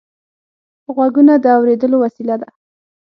غوږونه د اورېدلو وسیله ده